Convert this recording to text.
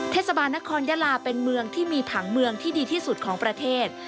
เทศบาลนครยาลาเป็นเมืองที่มีผังเมืองที่ดีที่สุดของประเทศ